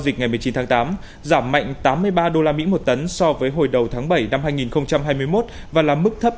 dịch ngày một mươi chín tháng tám giảm mạnh tám mươi ba usd một tấn so với hồi đầu tháng bảy năm hai nghìn hai mươi một và là mức thấp